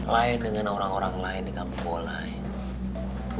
lain dengan orang orang lain di kampung gola ini